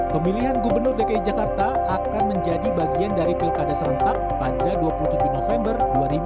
pemilihan gubernur dki jakarta akan menjadi bagian dari pilkada serentak pada dua puluh tujuh november dua ribu dua puluh